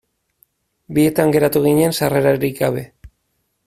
Bietan geratu ginen sarrerarik gabe.